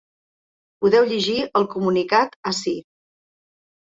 Podeu llegir el comunicat ací.